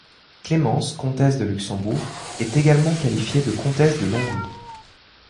Clémence, comtesse de Luxembourg, est également qualifiée de comtesse de Longwy.